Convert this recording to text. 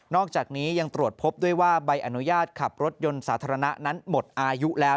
อกจากนี้ยังตรวจพบด้วยว่าใบอนุญาตขับรถยนต์สาธารณะนั้นหมดอายุแล้ว